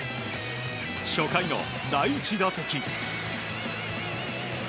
初回の第１打席。